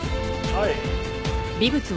はい。